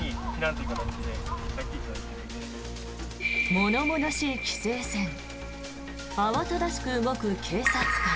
物々しい規制線慌ただしく動く警察官。